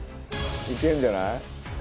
「いけるんじゃない？」